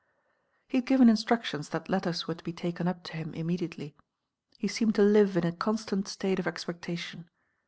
He had given inttructiont that lettcrt were to be taken up to him immediately. He teemed to live ma conttant ttate of expectation.